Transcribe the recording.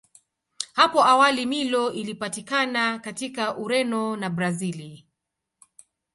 Hapo awali Milo ilipatikana katika Ureno na Brazili.